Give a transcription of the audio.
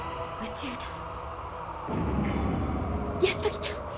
やっと来た。